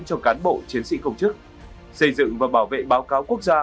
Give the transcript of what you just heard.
cho cán bộ chiến sĩ công chức xây dựng và bảo vệ báo cáo quốc gia